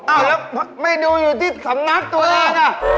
อ้าวแล้วไม่ดูอยู่ที่สำนักตัวเองอ่ะ